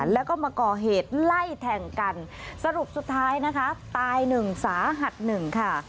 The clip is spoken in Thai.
แล้วก็มาก่อเหตุไล่แทงกันสรุปสุดท้ายนะคะตายหนึ่งสาหัสหนึ่งค่ะ